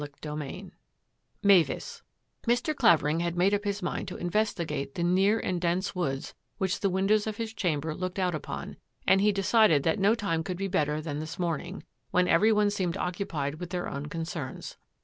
CHAPTER X MAVIS Mr. Clavering had made up his mind to investi gate the near and dense woods which the windows of his chamber looked out upon, and he decided that no time could be better than this morning, when every one seemed occupied with their own concerns.